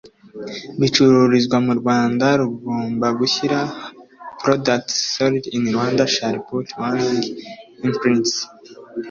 bicururizwa mu Rwanda rugomba gushyira products sold in Rwanda shall put warning imprints